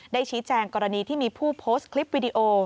ชี้แจงกรณีที่มีผู้โพสต์คลิปวิดีโอ